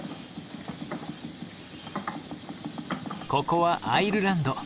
ここはアイルランド。